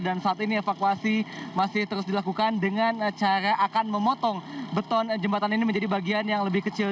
dan saat ini evakuasi masih terus dilakukan dengan cara akan memotong beton jembatan ini menjadi bagian yang lebih kecil